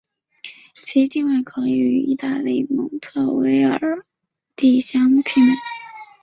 其地位可以与意大利的蒙特威尔第相媲美。